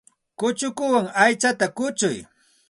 Kuchukuwan aychata kuchuy.